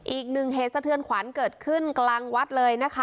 อีกหนึ่งเหตุสะเทือนขวัญเกิดขึ้นกลางวัดเลยนะคะ